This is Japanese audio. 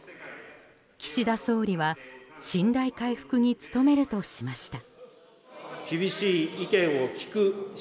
岸田総理は信頼回復に努めるとしました。